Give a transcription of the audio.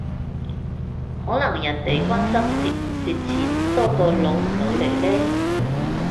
可能人哋關心蝕唔蝕錢多過老唔老嚟呢？